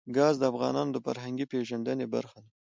ګاز د افغانانو د فرهنګي پیژندنې برخه ده.